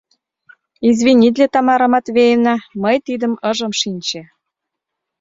— Извинитле, Тамара Матвеевна, мый тидым ыжым шинче.